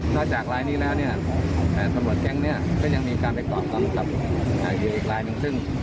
นอกจากรายนี้แล้วเนี่ยสมรวจแก๊งก็ยังมีการไปกรอบตามกับอีกรายหนึ่งซึ่ง